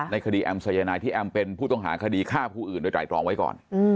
คดีแอมสายนายที่แอมเป็นผู้ต้องหาคดีฆ่าผู้อื่นโดยไตรตรองไว้ก่อน